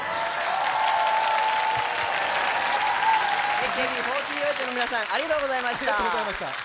ＡＫＢ４８の皆さんありがとうございました。